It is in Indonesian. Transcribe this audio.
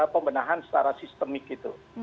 pembenahan secara sistemik gitu